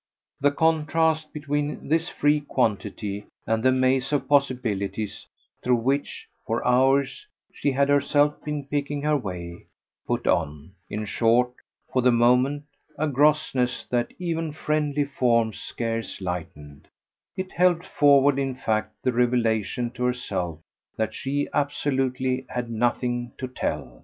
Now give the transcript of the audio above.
The contrast between this free quantity and the maze of possibilities through which, for hours, she had herself been picking her way, put on, in short, for the moment, a grossness that even friendly forms scarce lightened: it helped forward in fact the revelation to herself that she absolutely had nothing to tell.